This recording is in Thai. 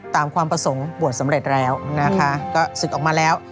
ความประสงค์บวชสำเร็จแล้วนะคะก็ศึกออกมาแล้ว